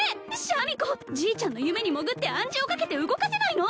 シャミ子Ｇちゃんの夢に潜って暗示をかけて動かせないの？